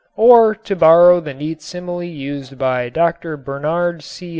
Or, to borrow the neat simile used by Dr. Bernhard C.